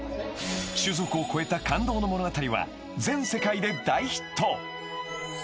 ［種族を超えた感動の物語は全世界で大ヒット］